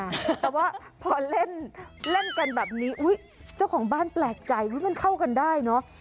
แต่ว่าพอเล่นกันแบบนี้เจ้าของบ้านแปลกใจมันเข้ากันได้เนอะ